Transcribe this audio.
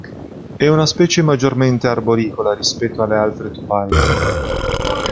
È una specie maggiormente arboricola rispetto alle altre tupaie.